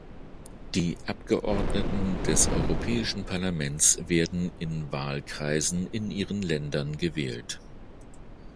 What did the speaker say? Die Abgeordneten des Europäischen Parlaments werden in Wahlkreisen in ihren Ländern gewählt.